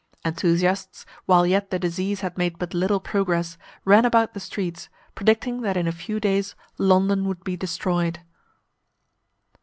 Enthusiasts, while yet the disease had made but little progress, ran about the streets, predicting that in a few days London would be destroyed.